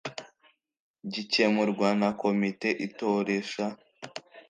gikemurwa na komite itoresha